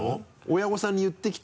親御さんに言ってきた？